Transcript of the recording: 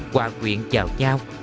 qua quyện chào nhau